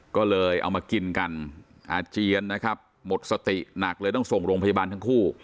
ก็เลยเอามากินกันอาเจียนนะครับหมดสติหนักเลยต้องส่งโรงพยาบาลทั้งคู่